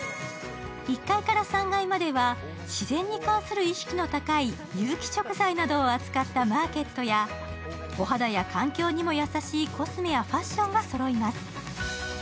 １階から３階までは自然に対する意識の高い、有機食材などを扱ったマーケットや、お肌や環境にも優しいコスメやファッションがそろいます。